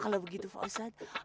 kalau begitu pak ustadz